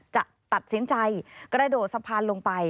จะตัดสินใจกระโดดสะพานลงไป